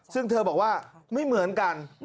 ซึ่งเธอบอกว่าไม่เหมือนกัน